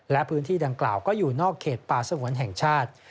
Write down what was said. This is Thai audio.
และพื้นที่ดังกล่าวก็อยู่นอกเขตป่าสงวนแห่งชาติ